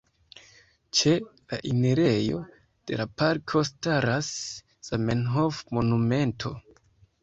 Ĉe la enirejo de la parko staras Zamenhof-monumento.